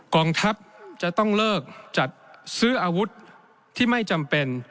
กองทัพจะต้องเลิกจัดซื้ออาวุธที่ไม่จำเป็น